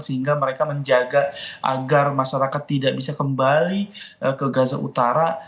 sehingga mereka menjaga agar masyarakat tidak bisa kembali ke gaza utara